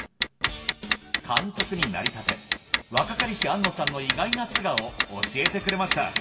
監督になりたて若かりし庵野さんの意外な素顔を教えてくれました